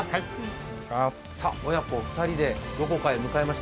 親子２人でどこかへ向かいました。